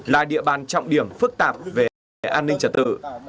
là địa bàn trọng điểm phức tạp về an ninh trật tự